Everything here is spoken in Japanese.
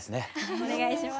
お願いします。